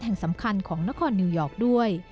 แห่งสำคัญของนครนิวยอร์กด้วย